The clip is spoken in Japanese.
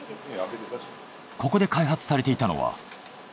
ここで開発されていたのは。